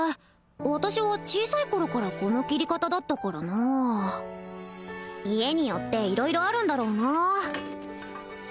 私は小さい頃からこの切り方だったからな家によって色々あるんだろうな